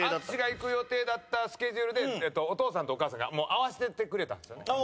淳が行く予定だったスケジュールでお父さんとお母さんがもう合わせててくれたんですよね。